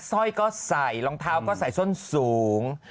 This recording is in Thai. สร้อยก็ใส่รองเท้าก็ใส่ส้นสูง